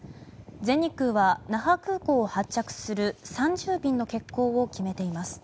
全日空は那覇空港を発着する３０便の欠航を決めています。